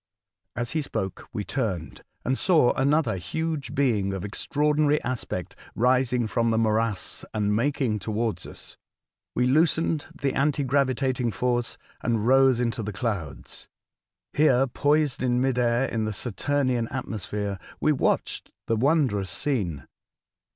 As he spoke, we turned and saw another huge being of extraordinary aspect rising from the morass and making towards us. We loosened the anti gravitating force, and rose into the Saturn. 191 clouds. Here, poised in mid air in the Saturnian atmosphere, we watched the wondrous scene.